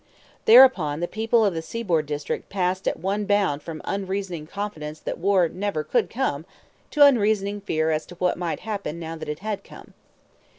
Thereupon the people of the seaboard district passed at one bound from unreasoning confidence that war never could come to unreasoning fear as to what might happen now that it had come.